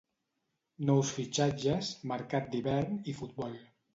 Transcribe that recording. Nous fitxatges, mercat d'hivern i futbol.